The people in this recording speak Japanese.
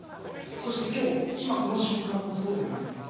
そしてきょう、今この瞬間もそうであります。